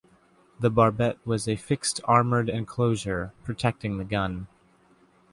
The barbette was a fixed armoured enclosure protecting the gun.